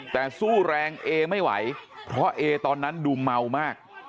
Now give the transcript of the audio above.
แต่สู้แรงเอไม่ไหวเพราะเอตอนนั้นดูเมามาก